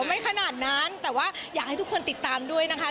ไม่ขนาดนั้นแต่ว่าอยากให้ทุกคนติดตามด้วยนะคะ